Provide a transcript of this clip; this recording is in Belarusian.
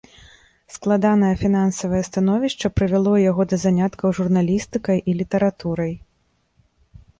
Складанае фінансавае становішча прывяло яго да заняткаў журналістыкай і літаратурай.